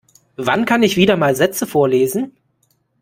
Wann kann ich wieder mal Sätze vorlesen?